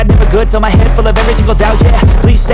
sayang rina kamar kamu luar biasa